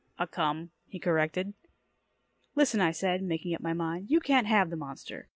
"Acome," he corrected. "Listen," I said, making up my mind. "You can't have the monster.